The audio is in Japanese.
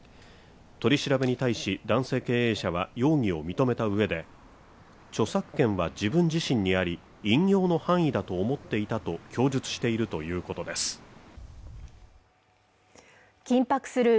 取り調べに対し男性経営者は容疑を認めた上で著作権は自分自身にあり引用の範囲だと思っていたと供述しているということです